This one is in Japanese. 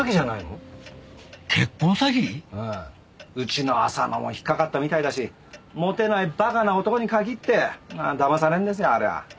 うちの浅野も引っかかったみたいだしモテない馬鹿な男に限ってだまされるんですよあれは。